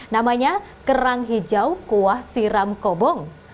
namanya kerang hijau kuah siram kobong